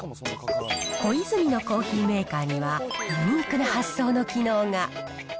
コイズミのコーヒーメーカーには、ユニークな発想の機能が。